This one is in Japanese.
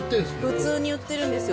普通に売ってるんですよ。